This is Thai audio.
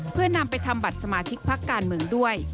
เพื่อนำไปทำบัตรสมาชิกพักการเมืองด้วย